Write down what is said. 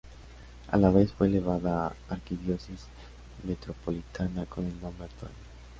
A la vez fue elevada a arquidiócesis metropolitana con el nombre actual.